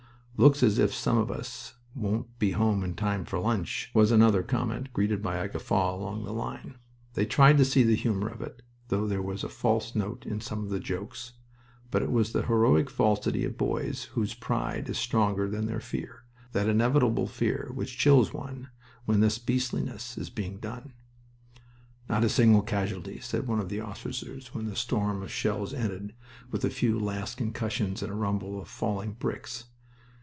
"Looks as if some of us wouldn't be home in time for lunch," was another comment, greeted by a guffaw along the line. They tried to see the humor of it, though there was a false note in some of the jokes. But it was the heroic falsity of boys whose pride is stronger than their fear, that inevitable fear which chills one when this beastliness is being done. "Not a single casualty," said one of the officers when the storm of shells ended with a few last concussions and a rumble of falling bricks.